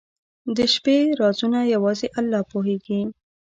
• د شپې رازونه یوازې الله پوهېږي.